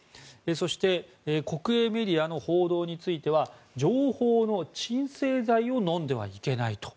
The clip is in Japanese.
そして国営メディアの報道については情報の鎮静剤を飲んではいけないと。